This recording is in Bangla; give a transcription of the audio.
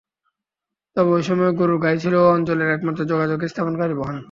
তবে ঐ সময়ে গরুর গাড়ি ছিল এ অঞ্চলের একমাত্র যোগাযোগ স্থাপনকারী বাহন।